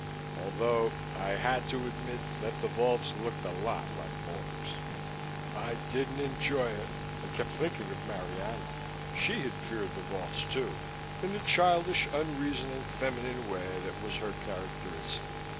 Although I had to admit that the vaults looked a lot like morgues.... I didn't enjoy it. I kept thinking of Marianna. She had feared the vaults too, in the childish, unreasoning, feminine way that was her characteristic.